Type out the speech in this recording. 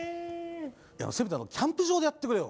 せめてキャンプ場でやってくれよ